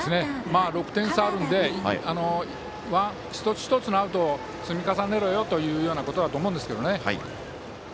６点差あるので一つ一つのアウトを積み重ねろよということだと思いますけどね。